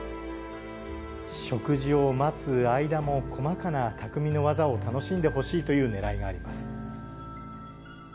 食事を待つ間も細かなたくみの技を楽しんでほしいというねらいがあります。